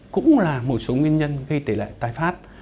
cũng là một số nguyên nhân gây tỷ lệ tái phát